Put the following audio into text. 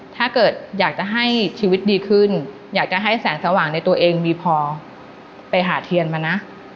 ถ้าเกิดอยากจะให้ชีวิตดีขึ้นอยากจะให้แสงสว่างในตัวเองมีพอไปหาเทียนมานะ